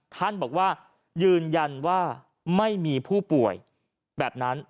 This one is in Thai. ท่านบอกว่ายืนยันว่าไม่มีผู้ป่วยแบบนั้น